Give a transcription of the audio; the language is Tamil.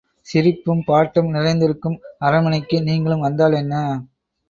சிரிப்பும், பாட்டும் நிறைந்திருக்கும் அரண்மனைக்கு நீங்களும் வந்தால் என்ன?